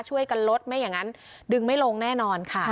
ช่วยกันลดไม่อย่างนั้นดึงไม่ลงแน่นอนค่ะ